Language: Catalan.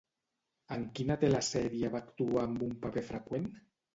En quina telesèrie va actuar amb un paper freqüent?